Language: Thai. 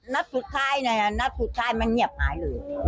นัดสุดท้ายมันเงียบหายเลย